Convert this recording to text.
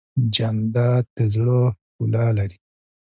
جانداد د زړه ښکلا لري.